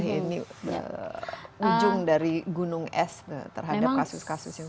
ini ujung dari gunung es terhadap kasus kasus yang selama ini terjadi